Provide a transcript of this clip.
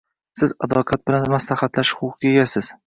«Siz advokat bilan maslahatlashish huquqiga egasiz.